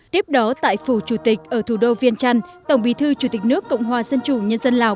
tiếp đó tại phủ chủ tịch ở thủ đô viên trăn tổng bí thư chủ tịch nước cộng hòa dân chủ nhân dân lào